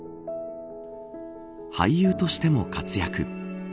俳優としても活躍。